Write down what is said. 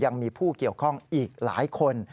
ยังมีผู้เกี่ยวข้องอีกหลายคน